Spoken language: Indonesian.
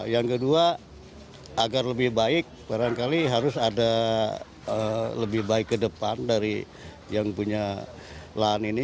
yang kedua agar lebih baik barangkali harus ada lebih baik ke depan dari yang punya lahan ini